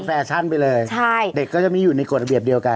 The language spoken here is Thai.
แฟชั่นไปเลยใช่เด็กก็จะไม่อยู่ในกฎระเบียบเดียวกัน